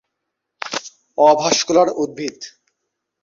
Julian Lennon লিভারপুলে জন্মগ্রহণ করেন।